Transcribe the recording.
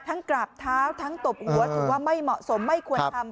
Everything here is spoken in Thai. กราบเท้าทั้งตบหัวถือว่าไม่เหมาะสมไม่ควรทำ